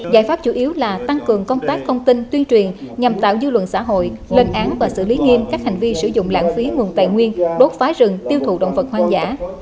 giải pháp chủ yếu là tăng cường công tác thông tin tuyên truyền nhằm tạo dư luận xã hội lên án và xử lý nghiêm các hành vi sử dụng lãng phí nguồn tài nguyên đốt phá rừng tiêu thụ động vật hoang dã